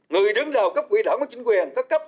người đứng đầu cấp quỹ đảng và chính quyền các cấp